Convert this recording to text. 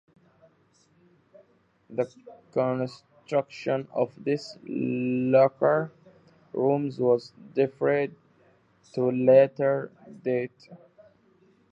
The construction of these locker rooms was deferred to a later date.